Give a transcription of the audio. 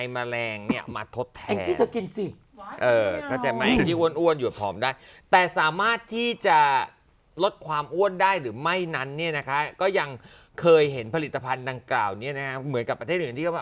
แบบว่าไม่น่าเชื่อเลยทีเดียว